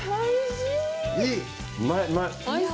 いい！